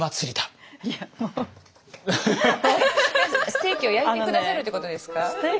ステーキを焼いて下さるということですか？